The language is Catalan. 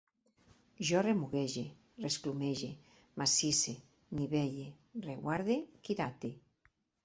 Jo remuguege, resclumege, massisse, nivelle, reguarde, quirate